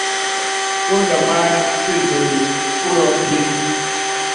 Kulda may ci ziyn kulo ɗi.